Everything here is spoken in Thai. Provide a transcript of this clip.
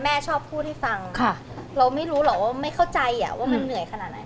แม่ชอบพูดให้ฟังเราไม่รู้หรอกว่าไม่เข้าใจอ่ะว่ามันเหนื่อยขนาดไหน